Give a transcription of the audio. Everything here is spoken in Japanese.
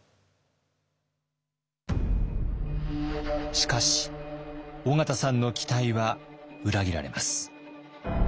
しかし緒方さんの期待は裏切られます。